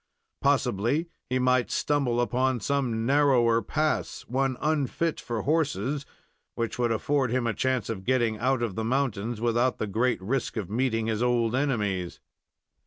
Possibly he might stumble upon some narrower pass, one unfit for horses, which would afford him a chance of getting out of the mountains without the great risk of meeting his old enemies.